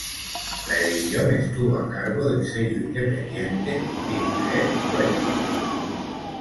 La edición estuvo a cargo del sello independiente Pinhead Records.